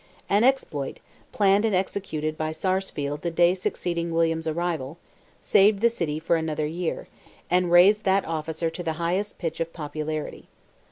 An exploit, planned and executed by Sarsfield the day succeeding William's arrival, saved the city for another year, and raised that officer to the highest pitch of popularity.